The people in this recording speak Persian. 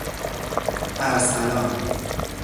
اَرسلان